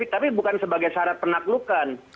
tapi bukan sebagai syarat penaklukan